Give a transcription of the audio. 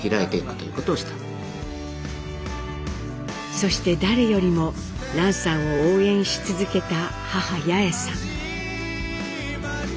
そして誰よりも蘭さんを応援し続けた母八重さん。